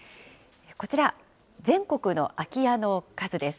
こちら、全国の空き家の数です。